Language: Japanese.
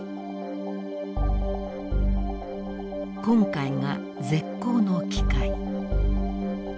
「今回が絶好の機会」。